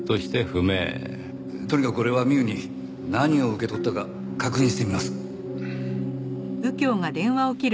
とにかく俺はミウに何を受け取ったか確認してみます。